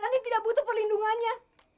rani tidak butuh perlindungannya